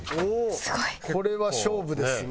すごい。これは勝負ですね。